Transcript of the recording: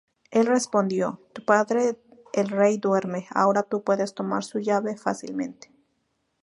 Él respondió: "Tu padre el rey duerme, ahora tú puedes tomar su llave fácilmente.